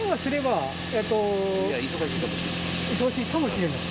忙しいかもしれない。